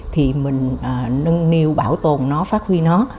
thì mình nâng niu bảo tồn nó phát huy nó